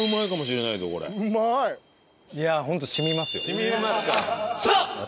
染みますか。